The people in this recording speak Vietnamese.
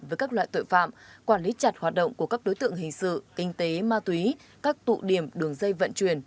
với các loại tội phạm quản lý chặt hoạt động của các đối tượng hình sự kinh tế ma túy các tụ điểm đường dây vận chuyển